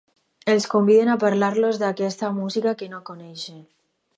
Els conviden a parlar-los d'aquesta música que no coneixen.